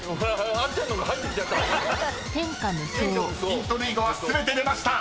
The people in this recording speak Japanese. ［ヒント類語は全て出ました］